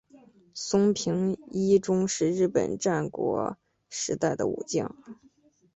松平伊忠是日本战国时代的武将。